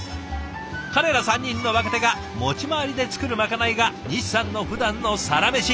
彼ら３人の若手が持ち回りで作るまかないが西さんのふだんのサラメシ。